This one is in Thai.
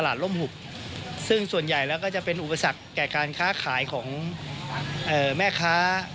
ร่มหุบซึ่งส่วนใหญ่แล้วก็จะเป็นอุปสรรคแก่การค้าขายของแม่ค้า